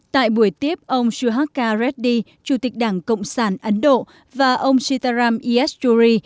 tại buổi tiếp ông suhaka reddy chủ tịch đảng cộng sản ấn độ và ông sitaram iyasturi